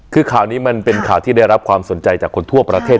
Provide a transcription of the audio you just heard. คือข่าวนี้มันได้รับการรับสนใจจากคนทั่วประเทศ